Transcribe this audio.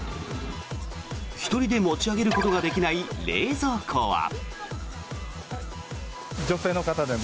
１人で持ち上げることができない冷蔵庫は。